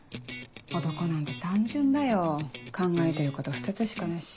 男なんて単純だよ考えてること２つしかないし。